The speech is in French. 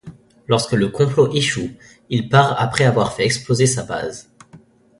Lorsque le complot échoue, il part après avoir fait exploser sa base.